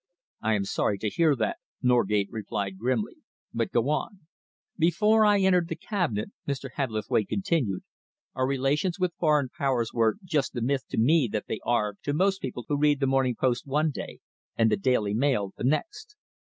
"I am sorry to hear that," Norgate replied grimly, "but go on." "Before I entered the Cabinet," Mr. Hebblethwaite continued, "our relations with Foreign Powers were just the myth to me that they are to most people who read the Morning Post one day and the Daily Mail the next.